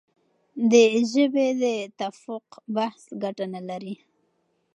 د ژبې د تفوق بحث ګټه نه لري.